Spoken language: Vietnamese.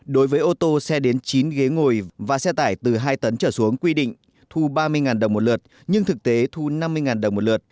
đối với ô tô xe đến chín ghế ngồi và xe tải từ hai tấn trở xuống quy định thu ba mươi đồng một lượt nhưng thực tế thu năm mươi đồng một lượt